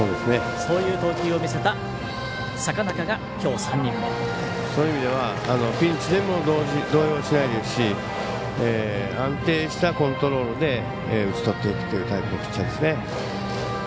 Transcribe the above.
そういう意味ではピンチでも動揺しないですし安定したコントロールで打ちとっていくというタイプのピッチャーですね。